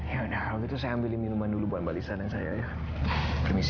ya udah kalau gitu saya ambil minuman dulu buat mbak lisa dan saya ya permisi